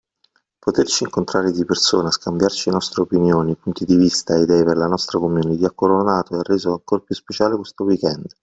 Poterci incontrare di persona, scambiarci nostre opinioni, punti di vista e idee per la nostra community ha coronato e ha reso ancora più speciale questo weekend.